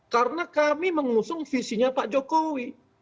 karena kami mengusung visinya pak jokowi